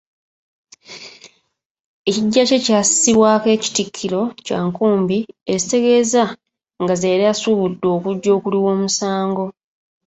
Ekiggya kye kyassibwako ekitikkiro kya nkumbi ezitegeeza nga ze yali asuubudde okujja okuliwa omusango.